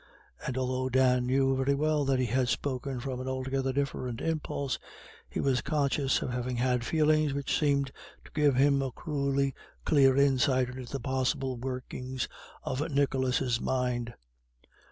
And although Dan knew very well that he had spoken from an altogether different impulse, he was conscious of having had feelings which seemed to give him a cruelly clear insight into the possible workings of Nicholas's mind.